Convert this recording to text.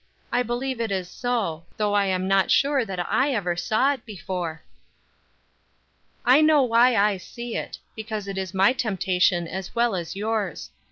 "I believe it is so, though I am not sure that I ever saw it before." "I know why I see it; because it is my temptation as well as yours.